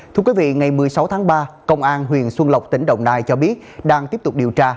thưa quý vị ngày một mươi sáu tháng ba công an huyện xuân lộc tỉnh đồng nai cho biết đang tiếp tục điều tra